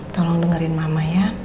tolong dengerin mama ya